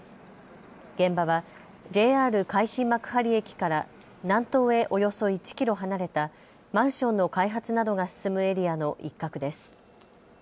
現場はＪＲ海浜幕張駅から南東へおよそ１キロ離れたマンションの開発などが進むエリアの一角です。